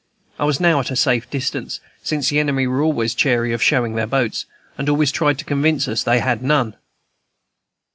I was now at a safe distance, since the enemy were always chary of showing their boats, and always tried to convince us they had none.